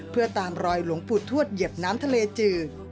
เพื่อตามรอยหลวงปู่ทวดเหยียบน้ำทะเลจืด